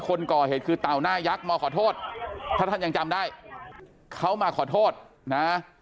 คนก่อเหตุคือเต่าหน้ายักษ์มาขอโทษถ้าท่านยังจำได้เขามาขอโทษนะ